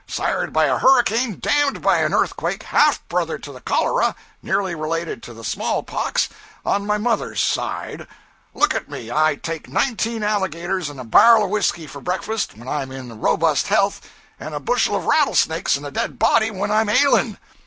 Sired by a hurricane, dam'd by an earthquake, half brother to the cholera, nearly related to the small pox on the mother's side! Look at me! I take nineteen alligators and a bar'l of whiskey for breakfast when I'm in robust health, and a bushel of rattlesnakes and a dead body when I'm ailing!